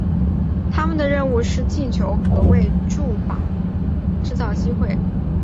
他们的任务是进球和为柱趸制造机会。